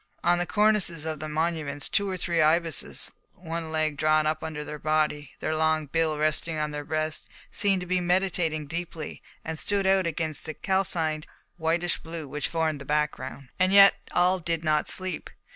On the cornices of the monuments two or three ibises, one leg drawn up under their body, their long bill resting on their breast, seemed to be meditating deeply, and stood out against the calcined, whitish blue which formed the background. And yet all did not sleep.